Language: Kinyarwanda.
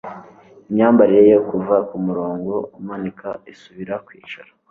imyambarire ye kuva kumurongo umanika asubira kwicara